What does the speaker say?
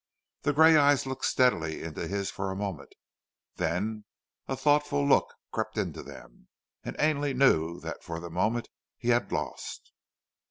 The grey eyes looked steadily into his for a moment, then a thoughtful look crept into them, and Ainley knew that for the moment he had lost.